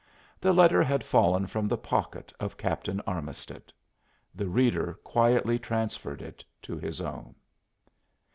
The letter had fallen from the pocket of Captain Armisted; the reader quietly transferred it to his own.